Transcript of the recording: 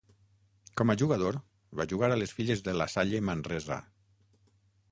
Com a jugador, va jugar a les files de la Salle Manresa.